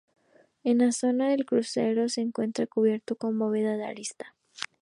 En la zona del crucero se encuentra cubierto con bóveda de arista.